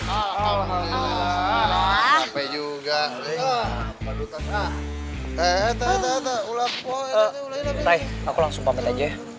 alhamdulillah akhirnya sampai juga